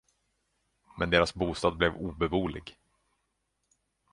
Men deras bostad blev obeboelig.